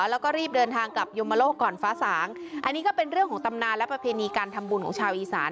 แล้วก็รีบเดินทางกลับยมโลกก่อนฟ้าสางอันนี้ก็เป็นเรื่องของตำนานและประเพณีการทำบุญของชาวอีสาน